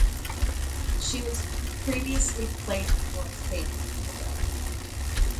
She has previously played for St Kilda.